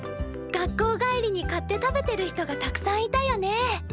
学校帰りに買って食べてる人がたくさんいたよね。